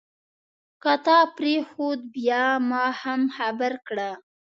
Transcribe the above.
که تا پرېښود بیا ما هم خبر کړه.